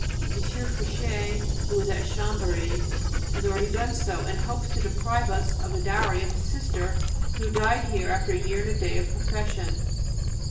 M. Fichet, who is at Chambery, has already done so, and hopes to deprive us of the dowry of his sister, who died here after a year and a day of profession.